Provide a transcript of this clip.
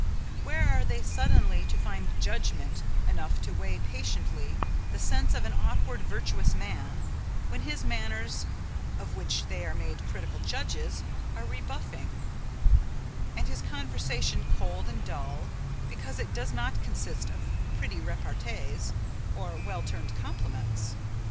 Where are they suddenly to find judgment enough to weigh patiently the sense of an awkward virtuous man, when his manners, of which they are made critical judges, are rebuffing, and his conversation cold and dull, because it does not consist of pretty repartees, or well turned compliments?